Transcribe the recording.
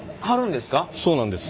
そうなんです。